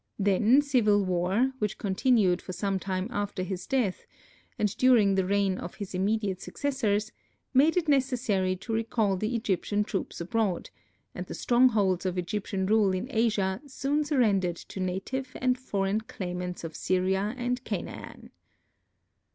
Then civil war, which continued for some time after his death, and during the reign of his immediate successors, made it necessary to recall the Egyptian troops abroad, and the strongholds of Egyptian rule in Asia soon surrendered to native and foreign claimants of Syria and Canaan.